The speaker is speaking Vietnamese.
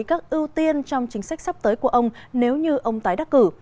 các ưu tiên trong chính sách sắp tới của ông nếu như ông tái đắc cử